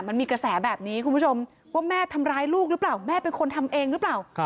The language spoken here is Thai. มันมีกระแสแบบนี้คุณผู้ชมว่าแม่ทำร้ายลูกหรือเปล่าแม่เป็นคนทำเองหรือเปล่า